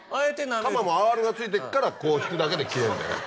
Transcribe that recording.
鎌もアールがついてっからこう引くだけで切れる。